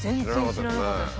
知らなかったです